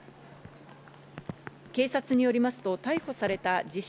警察によりますと逮捕された自称